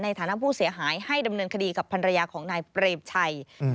ฐานะผู้เสียหายให้ดำเนินคดีกับภรรยาของนายเปรมชัย